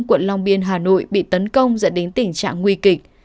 quận long biên hà nội bị tấn công dẫn đến tình trạng nguy kịch